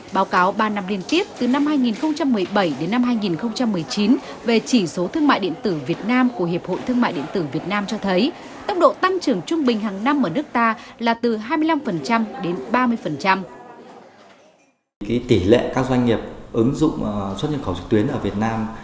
báo cáo ba năm liên tiếp từ năm hai nghìn một mươi bảy đến năm hai nghìn một mươi chín về chỉ số thương mại điện tử việt nam